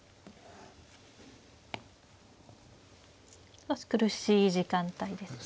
少し苦しい時間帯ですね